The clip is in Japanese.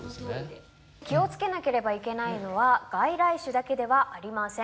気を付けなければいけないのは外来種だけではありません。